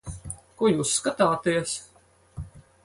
Ko jūs skatāties?